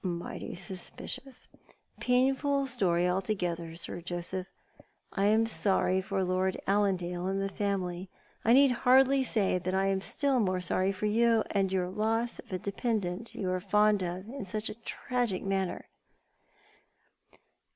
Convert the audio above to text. " Miglitily sugpiciouR. A painfial story altogether, Sir Joseph. I am sorry for Lord AUandale and the family. I need hardly say that I am still more sorry for you, and your loss of a dependent you were fond of in such a tragic manner."